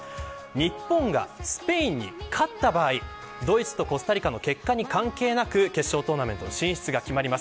日本がスペインに勝った場合ドイツとコスタリカの結果に関係なく決勝トーナメント進出が決定します。